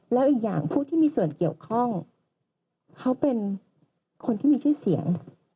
แล้วอีกอย่างผู้ที่มีส่วนเกี่ยวข้องเขาเป็นคนที่มีชื่อเสียง